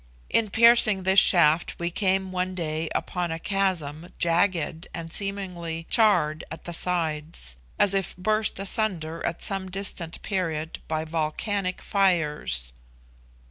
In piercing this shaft we came one day upon a chasm jagged and seemingly charred at the sides, as if burst asunder at some distant period by volcanic fires.